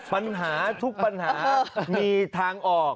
ปัญหาทุกปัญหามีทางออก